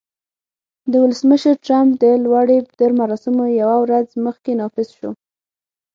د ولسمشر ټرمپ د لوړې تر مراسمو یوه ورځ مخکې نافذ شو